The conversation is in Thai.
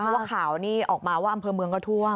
เพราะว่าข่าวนี้ออกมาว่าอำเภอเมืองก็ท่วม